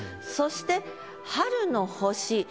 そして「春の星」。